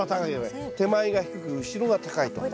手前が低く後ろが高いと。